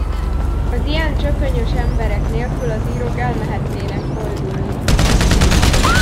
Az ilyen csökönyös emberek nélkül az írók elmehetnének koldulni.